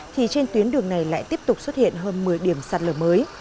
thì trên tuyến đường này lại tiếp tục xuất hiện hơn một mươi điểm sạt lở mới